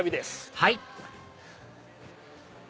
はい！